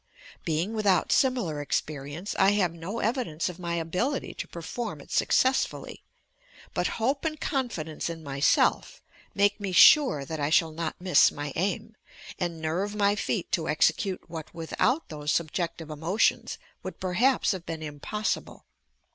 Being without similar experience, I have no evi dence of my ability to perform it sueeessfuily, but hope and confidpncc in myself make me sure that I shall not misa my aim, and nerve my tcet to execute what without those subjective emotions would perhaps have been im possible.